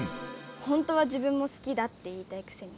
ほんとは自分も好きだって言いたいくせに。